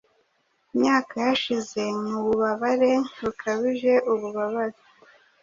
imyaka yashize mububabare bukabije Ububabare;